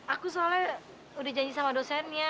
aku soalnya udah janji sama dosennya